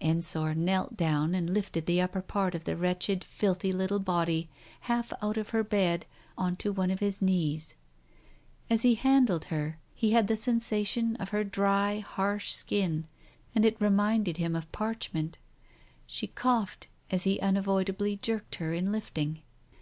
Ensor knelt down and lifted the upper part of the wretched, filthy little body half out of her bed on to one of his knees. As he handled her he had the sensation of her dry, harsh skin, and it reminded him of parchment. She coughed as he unavoidably jerked her in lifting.